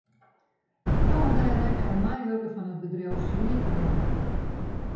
Tongersdei rekke in meiwurker fan it bedriuw swierferwûne.